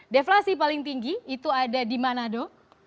deflasi paling tinggi itu ada di manado